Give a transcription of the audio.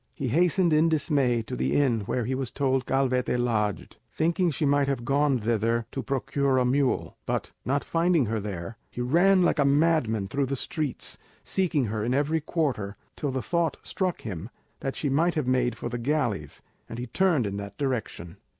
He hastened in dismay to the inn where he was told Calvete lodged, thinking she might have gone thither to procure a mule; but, not finding her there, he ran like a madman through the streets, seeking her in every quarter, till the thought struck him that she might have made for the galleys, and he turned in that direction.